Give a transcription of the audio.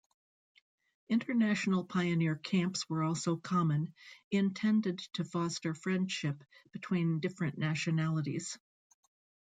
International pioneer camps were also common, intended to foster friendship between different nationalities.